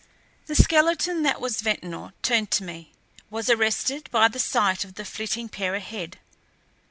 The skeleton that was Ventnor turned to me; was arrested by the sight of the flitting pair ahead.